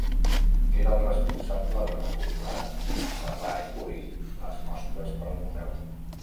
Era el responsable de recopilar, serrar i polir les mostres per al museu.